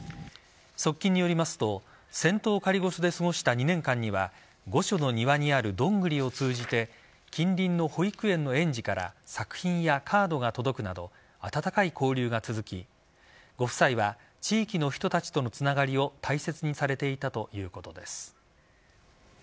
側近によりますと仙洞仮御所で過ごした２年間には御所の庭にあるドングリを通じて近隣の保育園の園児から作品やカードが届くなど温かい交流が続きご夫妻は地域の人たちとのつながりを大切にされていたということです。